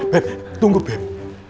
beb tunggu beb